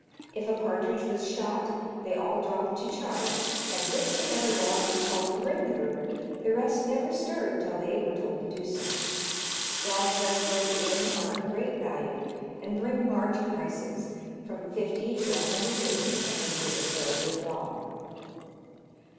If a partridge was shot, they all dropped to charge, and whichsoever dog was called to bring the bird, the rest never stirred till they were told to do so. Dogs thus broke in are of great value, and bring large prices; from fifty to a hundred guineas have been given for a good dog.